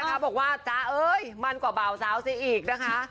คุณจ๊แลกว่าจ๊ะเห้ยมั่นกว่าเบาสาวสิอีกนะคะ